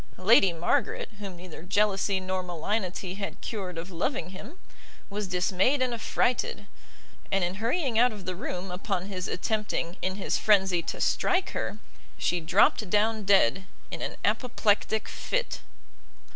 Lady Margaret, whom neither jealousy nor malignity had cured of loving him, was dismayed and affrighted; and in hurrying out of the room upon his attempting, in his frenzy, to strike her, she dropt down dead in an apoplectic fit.